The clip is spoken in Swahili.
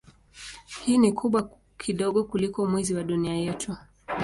Hii ni kubwa kidogo kuliko Mwezi wa Dunia yetu.